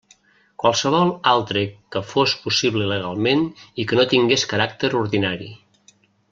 Qualsevol altre que fos possible legalment i que no tingués caràcter ordinari.